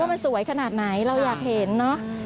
มันสวยขนาดไหนเราอยากเห็นเนอะ